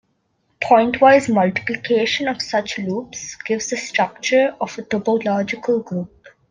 Pointwise multiplication of such loops gives the structure of a topological group.